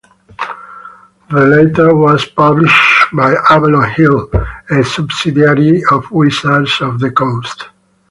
The latter was published by Avalon Hill, a subsidiary of Wizards of the Coast.